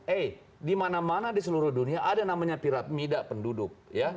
eh di mana mana di seluruh dunia ada namanya pirapmida penduduk